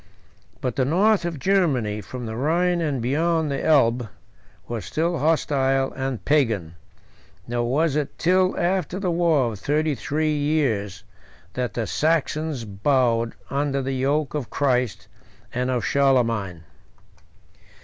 But the north of Germany, from the Rhine and beyond the Elbe, was still hostile and Pagan; nor was it till after a war of thirty three years that the Saxons bowed under the yoke of Christ and of Charlemagne.